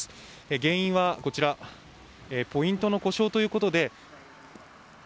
原因はこちらポイントの故障ということで。